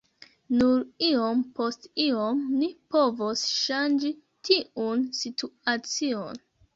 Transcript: Nur iom post iom ni povos ŝanĝi tiun situacion.